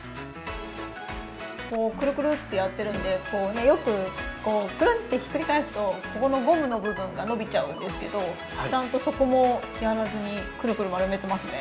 こうクルクルってやってるんでよくこうクルンってひっくりかえすとここのゴムのぶ分がのびちゃうんですけどちゃんとそこもやらずにクルクル丸めてますね。